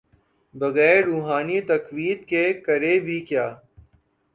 بغیر روحانی تقویت کے، کرے بھی کیا۔